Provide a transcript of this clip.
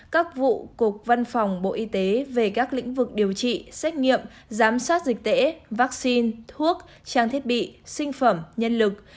các vụ cục văn phòng bộ y tế về các lĩnh vực điều trị xét nghiệm giám sát dịch tễ vaccine thuốc trang thiết bị sinh phẩm nhân lực